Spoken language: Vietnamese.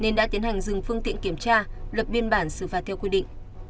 nên đã tiến hành dừng phương tiện kiểm tra lập biên bản xử phạt theo quy định